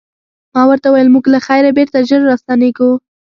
ما ورته وویل موږ له خیره بېرته ژر راستنیږو.